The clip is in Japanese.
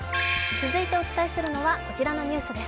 続いてお伝えするのはこちらのニュースです。